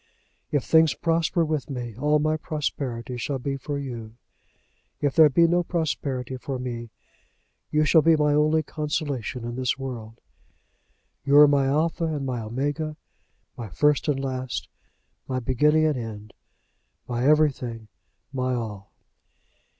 If things prosper with me, all my prosperity shall be for you. If there be no prosperity for me, you shall be my only consolation in this world. You are my Alpha and my Omega, my first and last, my beginning and end, my everything, my all."